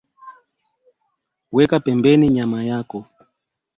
weka pembeni nyama yako